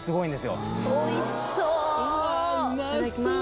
いただきます